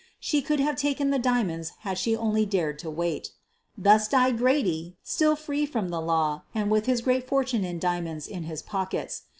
She could have taken the diamonds had she only dared to wait. Thus died Grady, still free from the law, and with his great fortune in diamonds in his pockets.